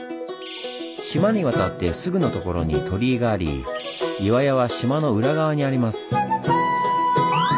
島に渡ってすぐのところに鳥居があり岩屋は島の裏側にあります。